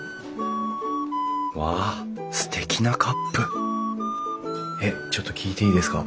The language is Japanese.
うわすてきなカップちょっと聞いていいですか？